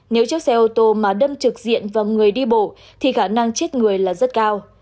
nếu chiếc xe ô tô mà đâm trực diện vào người đi bộ thì khả năng chết người là rất cao